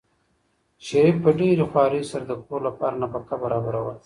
شریف په ډېرې خوارۍ سره د کور لپاره نفقه برابروله.